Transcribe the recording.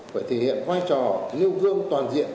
phải thể hiện vai trò nêu gương toàn diện